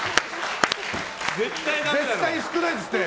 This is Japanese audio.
絶対少ないですって！